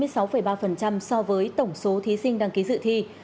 so với tổng số thí sinh đăng ký dự thi